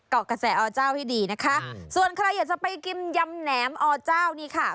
เกาะกระแสอเจ้าให้ดีนะคะส่วนใครอยากจะไปกินยำแหนมอเจ้านี่ค่ะ